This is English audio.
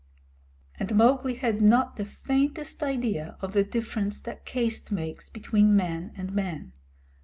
And Mowgli had not the faintest idea of the difference that caste makes between man and man.